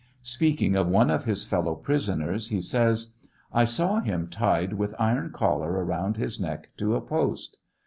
Speaking of one of his fel low prisoners, he says : I saw him tied with an iron collar around his neck to a post.